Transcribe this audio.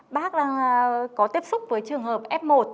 bác đang có tiếp xúc với trường hợp f một